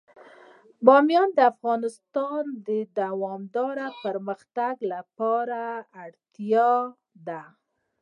بامیان د افغانستان د دوامداره پرمختګ لپاره اړین دي.